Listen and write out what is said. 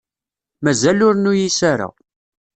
Mazal ur nuyis ara.